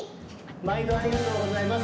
まいどありがとうございます。